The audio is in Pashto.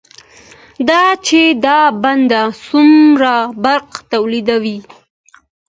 دا چې دا بند څومره برق تولیدوي،